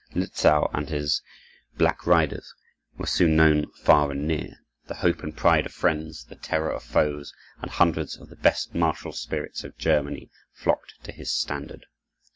Lützow and his "Black Riders" were soon known far and near, the hope and pride of friends, the terror of foes; and hundreds of the best martial spirits of Germany flocked to his standard.